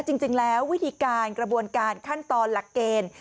จริงแล้ววิธีการกระบวนการขั้นตอนหลักเกณฑ์